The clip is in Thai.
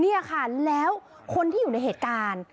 นี่ค่ะแล้วคนที่อยู่ในเหตุการณ์